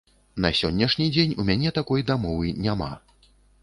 На сённяшні дзень у мяне такой дамовы няма.